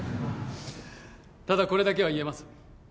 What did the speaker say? ただこれだけは言えます